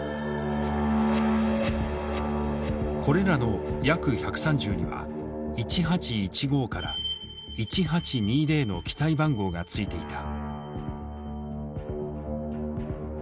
これらのＹａｋ−１３０には１８１５から１８２０の機体番号がついていた。